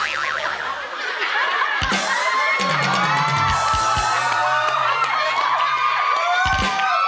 เย้